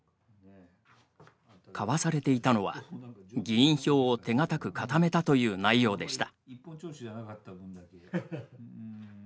交わされていたのは、議員票を手堅く固めたという内容でした。